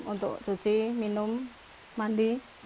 untuk cuci minum mandi